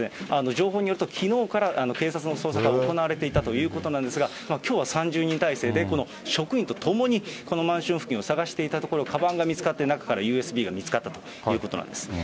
情報によると、きのうから警察の捜索が行われていたということなんですが、きょうは３０人態勢で、この職員とともに、このマンション付近を捜していたところ、かばんが見つかって、中からＵＳＢが見つかったということなんです。